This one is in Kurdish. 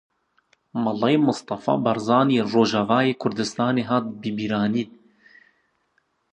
Mele Mistefa Barzanî li Rojavayê Kurdistanê hat bibîranîn.